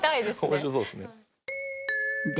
面白そうっすね。